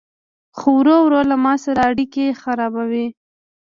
خو ورو ورو له ما سره اړيکي خرابوي